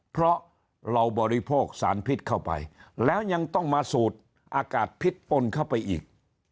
เพราะเราบริโภคสารพิษเข้าไปแล้วยังต้องมาสูดอากาศพิษปนเข้าไปอีก